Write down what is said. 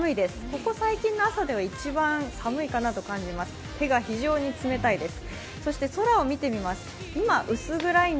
ここ最近の朝では一番寒いかなと感じます。